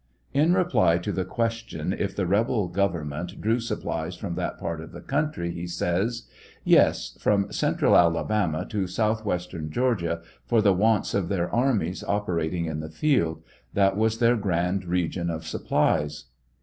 In reply to the question if the rebel government drew supplies from that part of the country, he says : Yes, from central Alabama to southwestern Georgia, for the wants of their armies operating in the field ; that was their grand region of supplies.